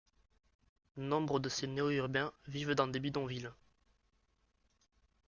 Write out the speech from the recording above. Nombre de ces néo-urbains vivent dans des bidonvilles.